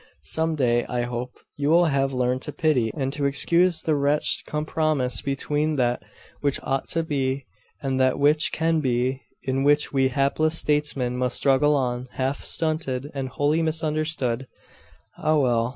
Some day, I hope, you will have learned to pity and to excuse the wretched compromise between that which ought to be and that which can be, in which we hapless statesmen must struggle on, half stunted, and wholly misunderstood Ah, well!